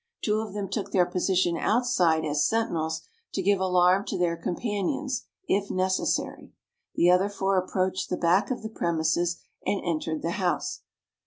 Two of them took their position outside as sentinels to give alarm to their companions, if necessary. The other four approached the back of the premises, and entered the house.